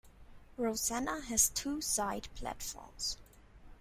Rosanna has two side platforms.